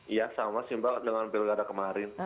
iya sama simba dengan pilkada kemarin